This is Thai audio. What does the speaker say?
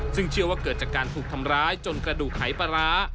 ซึ่งเชื่อว่าเกิดจากการถูกทำร้ายจนกระดูกหายปลาร้า